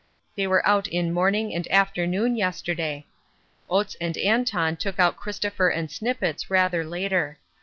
They were out in morning and afternoon yesterday. Oates and Anton took out Christopher and Snippets rather later.